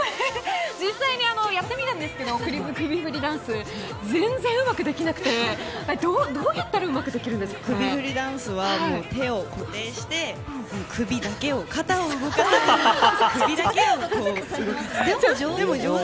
実際にやってみたんですけど首振りダンス全然うまくできなくてどうやったら首振りダンスは手を固定して首だけを、肩を動かせば肩を動かさずに首だけを動かす。